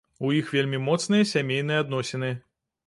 У іх вельмі моцныя сямейныя адносіны.